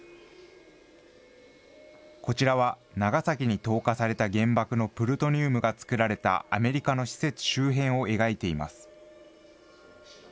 こちらは、長崎に投下された原爆のプルトニウムが作られたアメリカの施設周辺を描いています。